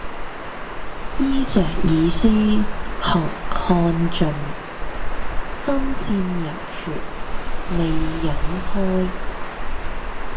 衣裳已施行看盡，針線猶存未忍開。